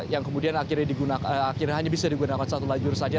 yang kemudian akhirnya hanya bisa digunakan satu lajur saja